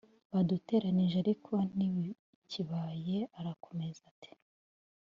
baduteranije ariko ntibikibaye.” arakomeza ati